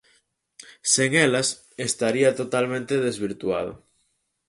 Sen elas, estaría totalmente desvirtuado.